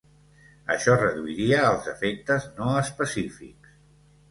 Això reduiria els efectes no específics.